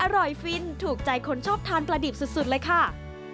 ฟินถูกใจคนชอบทานปลาดิบสุดเลยค่ะ